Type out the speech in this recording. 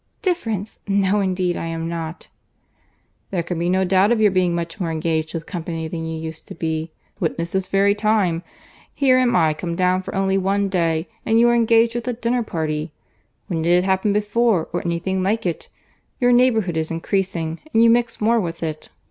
"Difference! No indeed I am not." "There can be no doubt of your being much more engaged with company than you used to be. Witness this very time. Here am I come down for only one day, and you are engaged with a dinner party!—When did it happen before, or any thing like it? Your neighbourhood is increasing, and you mix more with it.